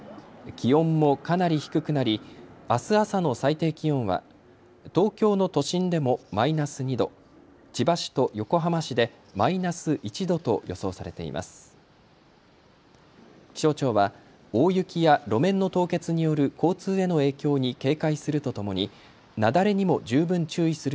気温もかなり低くなりあす朝の最低気温は東京の都心でもマイナス２度千葉市と横浜市でマイナス１度と予想されています。